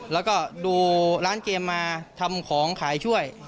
แล้วก็ดูร้านเกมมาทำของขายช่วย